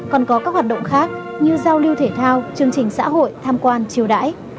còn có các hoạt động khác như giao lưu thể thao chương trình xã hội tham quan chiều đãi